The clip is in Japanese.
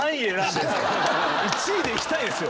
１位でいきたいんすよ！